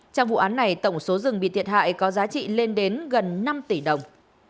trong vụ án này tổng số rừng bị thiệt hại có giá trị lên đến gần năm tỷ đồng